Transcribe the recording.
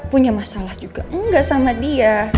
punya masalah juga enggak sama dia